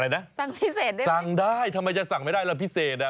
สั่งพิเศษได้สั่งได้ทำไมจะสั่งไม่ได้ละพิเศษอ่ะ